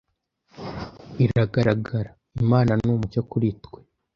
IragaragaraImana ni Umucyo Kuritwe